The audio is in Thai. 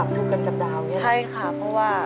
ส่วนใหญ่ก็จะไปปรับทุกข์กับกระดาวใช่ไหม